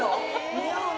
似合うね。